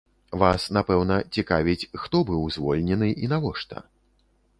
Вас, напэўна, цікавіць, хто быў звольнены і навошта?